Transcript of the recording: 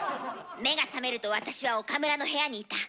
目が覚めると私は岡村の部屋にいた。